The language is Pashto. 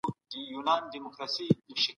چې ستا برخه جنګ يې هم